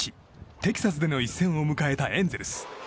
テキサスでの一戦を迎えたエンゼルス。